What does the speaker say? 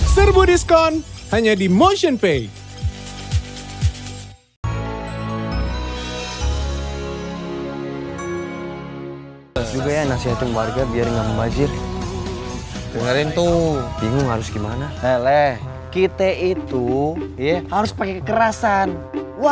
serbu diskon hanya di motionpay